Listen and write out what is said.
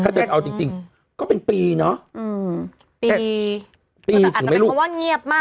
ถ้าจะเอาจริงจริงก็เป็นปีเนอะอืมปีปีก็จะอาจจะเป็นเพราะว่าเงียบมาก